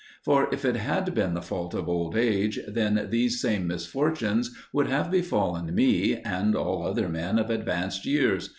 For if it had been the fault of old age, then these same misfortunes would have befallen me and all other men of advanced years.